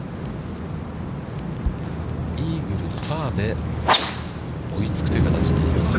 イーグルとパーで追いつくという形になります。